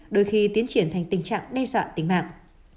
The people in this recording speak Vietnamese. đôi khi tiến triển thành tình trạng đe dọa tính mạng